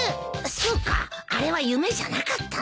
そっかあれは夢じゃなかったのか。